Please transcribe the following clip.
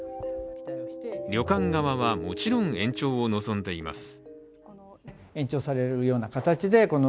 旅館側は、もちろん延長を望んでいます。